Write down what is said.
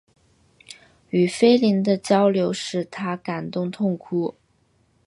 与斐琳的交流使他感动痛哭。